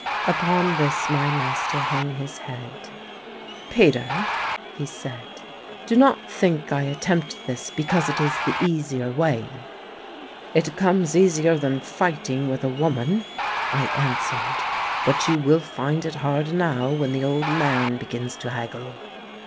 Upon this my master hung his head. "Peter," he said, "do not think I attempt this because it is the easier way." "It comes easier than fighting with a woman," I answered. "But you will find it hard enow when the old man begins to haggle."